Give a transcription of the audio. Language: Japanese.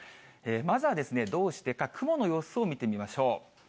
まずはどうしてか、雲の様子を見てみましょう。